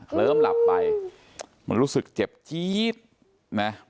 เริ่มหลับไปมันรู้สึกเจ็บจี๊ดนะ